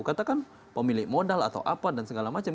katakan pemilik modal atau apa dan segala macam